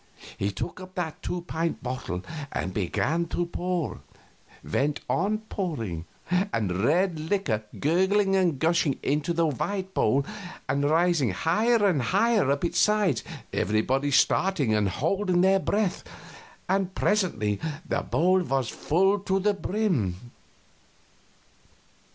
He took up that two pint bottle and began to pour; went on pouring, the red liquor gurgling and gushing into the white bowl and rising higher and higher up its sides, everybody staring and holding their breath and presently the bowl was full to the brim.